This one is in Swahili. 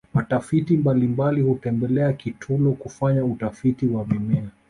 watafiti mbalimbali hutembelea kitulo kufanya utafiti wa mimea